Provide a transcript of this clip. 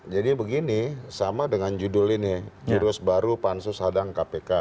jadi begini sama dengan judul ini jurus baru pansus hadang kpk